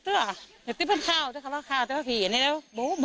เออเอาไปเอาไปสั่งหาญขาตายเลยกะ